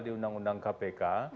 di undang undang kpk